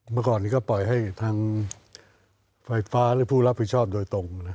เมื่อก่อนนี้ก็ปล่อยให้ทางไฟฟ้าหรือผู้รับผิดชอบโดยตรง